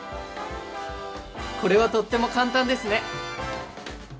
これはとっても簡単ですね！